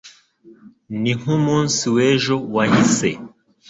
ni nk’umunsi w’ejo wahise